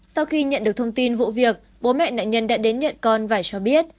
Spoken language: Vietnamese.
sau khi nhận được thông tin vụ việc bố mẹ nạn nhân đã đến nhận con vải cho biết